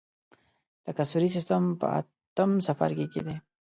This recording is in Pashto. تکثري سیستم په اتم څپرکي کې دی.